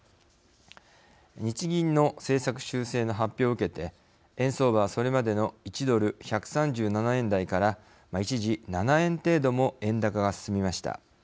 日銀の政策修正の発表を受けて円相場はそれまでの１ドル１３７円台から一時、７円程度も円高が進みました。